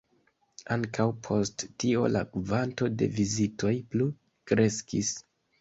Ankaŭ post tio la kvanto de vizitoj plu kreskis.